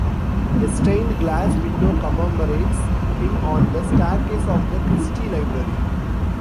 A stained glass window commemorates him on the staircase of the Christie Library.